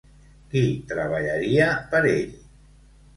Qui treballaria per ell?